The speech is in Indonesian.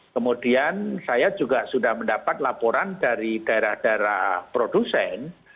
kemudian saya juga sudah mendapat laporan dari daerah daerah produsen